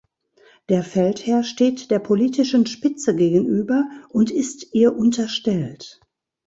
Der Feldherr steht der politischen Spitze gegenüber und ist ihr unterstellt.